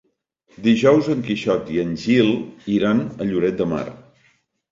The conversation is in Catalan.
Dijous en Quixot i en Gil iran a Lloret de Mar.